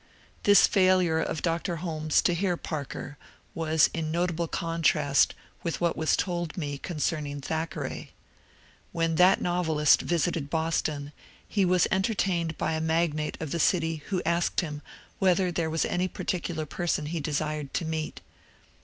This failure of Dr. Holmes to hear Parker was in notable contrast with what was told me concerning Thackeray. When that novelist visited Boston he was entertained by a magnate of the city who asked him whether there was any particular person he desired to meet.